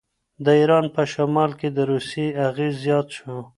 د ایران په شمال کې د روسیې اغېز زیات شو.